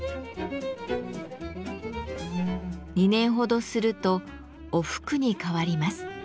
２年ほどすると「おふく」に変わります。